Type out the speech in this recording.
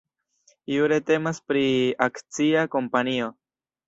Jure temas pri akcia kompanio.